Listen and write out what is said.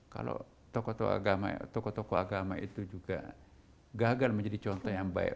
kalau tokoh tokoh agama itu juga gagal menjadi contoh yang baik